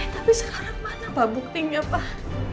tapi sekarang mana pak buktinya pak